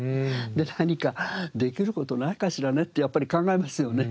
何かできる事ないかしらねってやっぱり考えますよね。